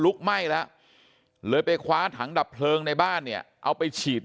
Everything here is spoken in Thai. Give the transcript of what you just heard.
ไหม้แล้วเลยไปคว้าถังดับเพลิงในบ้านเนี่ยเอาไปฉีด